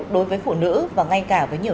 đối với phụ nữ và ngay cả với nhiều